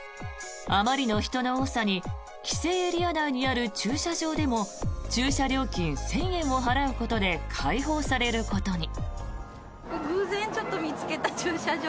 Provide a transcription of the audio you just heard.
あまりの人の多さに規制エリア内にある駐車場でも駐車料金１０００円を払うことで開放されることに。